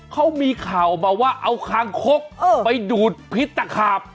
เขามีข่าวออกมาว่าเอาคางคกไปดูดพิษตะขาบ